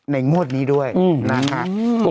งวดนี้ด้วยนะฮะ